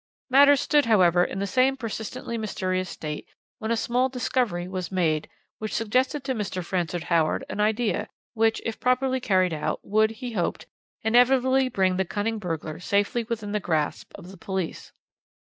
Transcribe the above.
"Matters stood, however, in the same persistently mysterious state when a small discovery was made, which suggested to Mr. Francis Howard an idea, which, if properly carried out, would, he hoped, inevitably bring the cunning burglar safely within the grasp of the police.